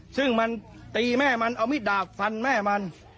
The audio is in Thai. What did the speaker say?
ซึ่งมันตีแม่มันเอามิดดาบฟันแม่มัน